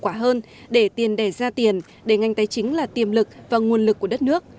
quả hơn để tiền đẻ ra tiền để ngành tài chính là tiềm lực và nguồn lực của đất nước